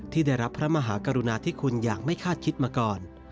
ที่ได้รับพระมหากรุณาธิคุณอย่างไม่คาดคิดมาก่อน